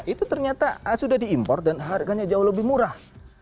itu ternyata sudah diimpor dan harganya jauh lebih murah